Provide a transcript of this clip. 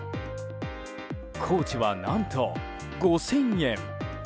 コーチは何と５０００円。